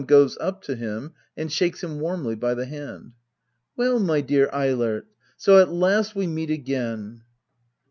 [Goes up to km and shakes him warmly hy the hand,"] Well^ my dear Eilert — so at last we meet again!